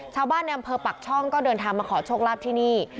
ชาวบ้านในอำเภอปักช่องก็เดินทางมาขอโชคลาภที่นี่